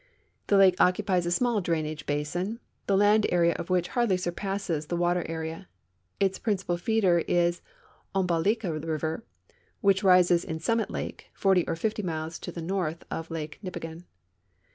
The lake occupies a small drainage basin, the land area of which hardly surpasses the water area. Its princi pal feeder is the Ombalika river, which rises in Summit lake, 40 or 50 miles to the north of Lake Nipigon.